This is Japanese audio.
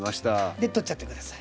で取っちゃって下さい。